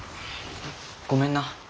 ごめんな。